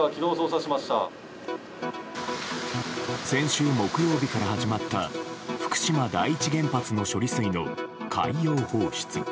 先週木曜日から始まった福島第一原発の処理水の海洋放出。